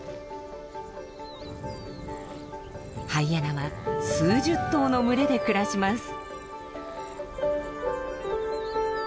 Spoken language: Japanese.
ハイエナは数十頭の群れで暮らします。